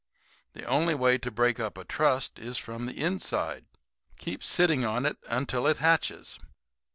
The only way to break up a trust is from the inside. Keep sitting on it until it hatches.